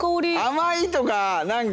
甘いとか何か。